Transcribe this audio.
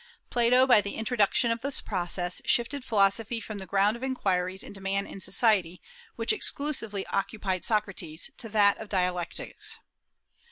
Plato, by the introduction of this process, shifted philosophy from the ground of inquiries into man and society, which exclusively occupied Socrates, to that of dialectics."